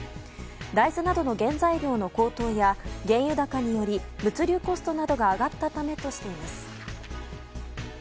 大豆などの原材料の高騰や原油高により物流コストが上がったためなどとしています。